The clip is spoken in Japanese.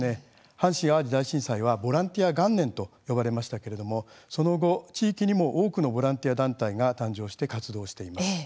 阪神・淡路大震災はボランティア元年と呼ばれましたけれどもその後、地域にも多くのボランティア団体が誕生して活動しています。